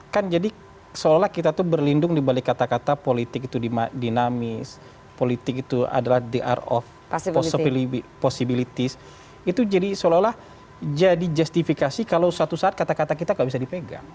kan jadi seolah kita tuh berlindung dibalik kata kata politik itu dinamis politik itu adalah the art of possibilities itu jadi seolah olah jadi justifikasi kalau suatu saat kata kata kita gak bisa dipegang